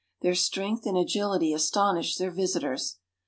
Their strength and agiHty aston ished their visitors.